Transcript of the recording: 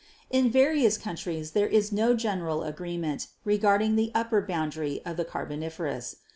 In various countries there is no general agreement regarding the upper bound ary of the Carboniferous.